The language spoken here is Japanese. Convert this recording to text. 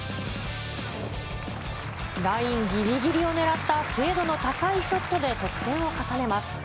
ラインぎりぎりを狙った精度の高いショットで得点を重ねます。